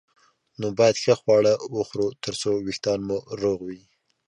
نو باید ښه خواړه وخورو ترڅو وېښتان مو روغ وي